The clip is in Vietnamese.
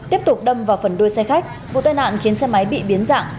tiếp tục đâm vào phần đuôi xe khách vụ tai nạn khiến xe máy bị biến dạng